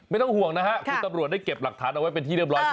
ไม่ต้องห่วงนะฮะคือตำรวจได้เก็บหลักฐานเอาไว้เป็นที่เรียบร้อยใช่ไหม